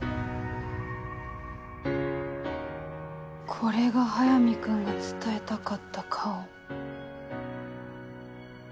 これが早見君が伝えたかった顔。